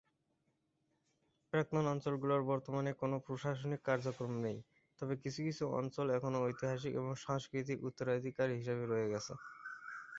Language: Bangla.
প্রাক্তন অঞ্চল গুলোর বর্তমানে কোনও প্রশাসনিক কার্যক্রম নেই তবে কিছু-কিছু অঞ্চল এখনো ঐতিহাসিক এবং সাংস্কৃতিক উত্তরাধিকার হিসাবে রয়ে গেছে।